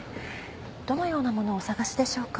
どのようなものをお探しでしょうか。